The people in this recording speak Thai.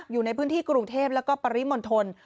อยู่ในพื้นที่กรุงเทพแล้วก็ปริมณฑล